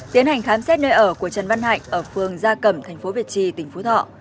tiến hành khám xét nơi ở của trần văn hạnh ở phường gia cẩm thành phố việt trì tỉnh phú thọ